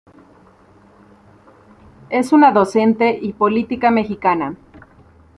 Es una docente y política mexicana.